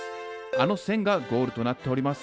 あの線がゴールとなっております。